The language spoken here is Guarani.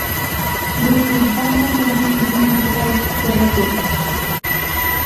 ndetujámango ha reñembotavyse gueteri